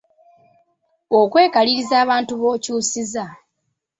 Okwekaliriza abantu b’okyusiza